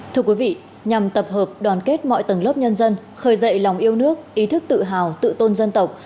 thưa quý vị nhằm tập hợp đoàn kết mọi tầng lớp nhân dân khởi dậy lòng yêu nước ý thức tự hào tự tôn dân tộc